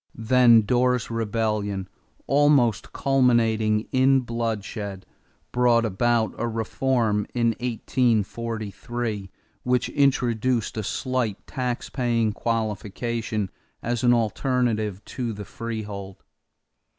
Then Dorr's Rebellion, almost culminating in bloodshed, brought about a reform in 1843 which introduced a slight tax paying qualification as an alternative to the freehold.